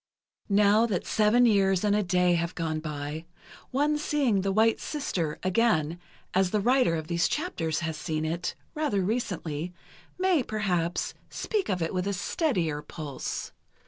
Now that seven years and a day have gone by, one seeing "The White Sister" again, as the writer of these chapters has seen it, rather recently—may, perhaps, speak of it with a steadier pulse.